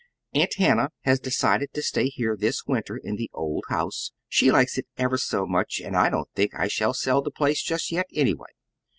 "Aunt Hannah has decided to stay here this winter in the old house. She likes it ever so much, and I don't think I shall sell the place just yet, anyway.